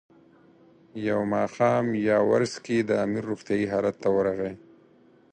یو ماښام یاورسکي د امیر روغتیایي حالت ته ورغی.